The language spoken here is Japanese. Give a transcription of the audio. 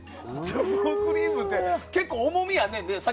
除毛クリームって結構重みあんねんな。